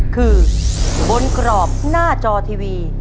คือบนกรอบหน้าจอทีวี